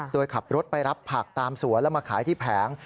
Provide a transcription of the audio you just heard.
โดยขับรถไปรับผักตามสวนแล้วมาขายที่แผง